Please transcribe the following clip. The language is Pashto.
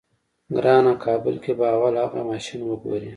ګرانه کابل کې به اول اغه ماشين وګورې.